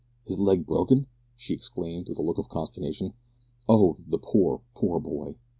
"His leg broken!" she exclaimed with a look of consternation; "Oh! the poor, poor boy!